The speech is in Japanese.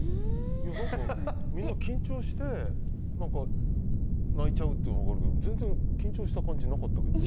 みんな緊張して泣いちゃうっていうのは分かるけど全然、緊張した感じなかったけど。